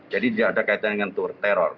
jadi tidak ada kaitannya dengan teror